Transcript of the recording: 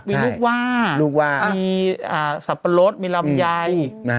มีลูกว่ามีสับปะรดมีรำไย